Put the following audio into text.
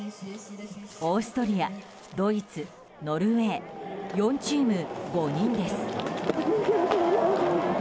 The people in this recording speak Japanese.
オーストリア、ドイツノルウェー、４チーム５人です。